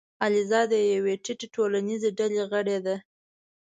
الیزا د یوې ټیټې ټولنیزې ډلې غړې ده.